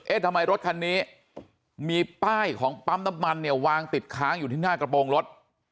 ทำไมรถคันนี้มีป้ายของปั๊มน้ำมันเนี่ยวางติดค้างอยู่ที่หน้ากระโปรงรถ